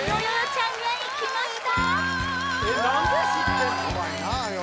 ちゃんがいきました